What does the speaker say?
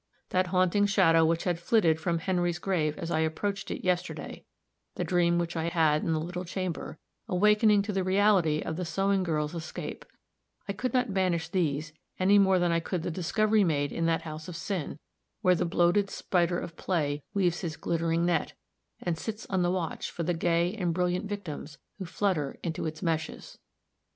That haunting shadow which had flitted from Henry's grave as I approached it yesterday the dream which I had in the little chamber, awakening to the reality of the sewing girl's escape I could not banish these any more than I could the discovery made in that house of sin, where the bloated spider of Play weaves his glittering net, and sits on the watch for the gay and brilliant victims who flutter into its meshes.